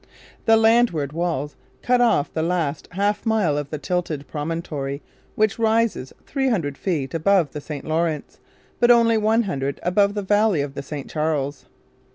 The landward walls cut off the last half mile of the tilted promontory which rises three hundred feet above the St Lawrence but only one hundred above the valley of the St Charles.